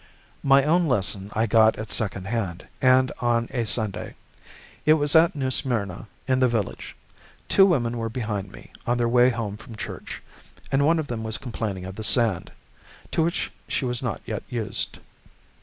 My own lesson I got at second hand, and on a Sunday. It was at New Smyrna, in the village. Two women were behind me, on their way home from church, and one of them was complaining of the sand, to which she was not yet used.